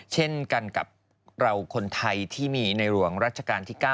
เช่นกันกับเราคนไทยที่มีในหลวงรัชกาลที่๙